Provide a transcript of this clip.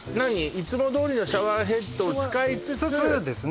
いつもどおりのシャワーヘッドを使いつつつつですね